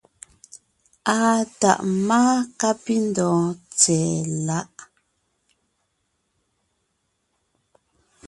Àa tàʼ máa kápindɔ̀ɔn tsɛ̀ɛ láʼ.